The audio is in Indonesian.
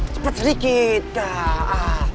cepet sedikit kak